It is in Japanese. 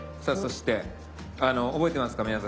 さあそして覚えてますか？